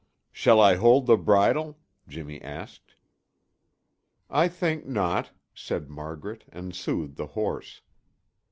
"Shall I hold the bridle?" Jimmy asked. "I think not," said Margaret and soothed the horse.